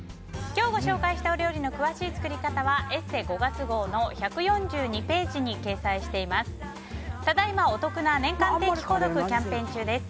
今日ご紹介したお料理の詳しい作り方は「ＥＳＳＥ」５月号の１４２ページに掲載しています。